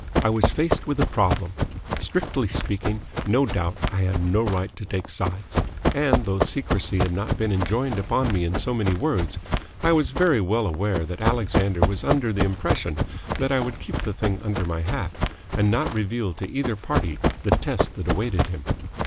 I was faced with a problem. Strictly speaking, no doubt, I had no right to take sides; and, though secrecy had not been enjoined upon me in so many words, I was very well aware that Alexander was under the impression that I would keep the thing under my hat and not reveal to either party the test that awaited him.